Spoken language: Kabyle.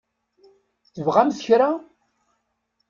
Tebɣamt kra?